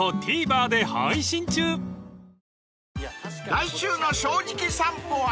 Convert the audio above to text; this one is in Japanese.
［来週の『正直さんぽ』は］